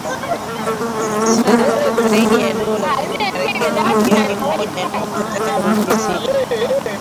Sawa na zaidi ya dola za kimarekani bilioni moja nukta tatu mbili sita